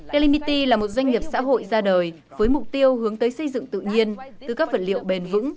galimity là một doanh nghiệp xã hội ra đời với mục tiêu hướng tới xây dựng tự nhiên từ các vật liệu bền vững